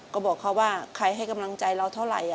ก็บอกเขาว่าใครให้กำลังใจเราเท่าไหร่